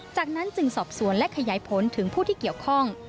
จากนั้นจึงสอบสวนและขยายผลถึงผู้ที่เกี่ยวข้อง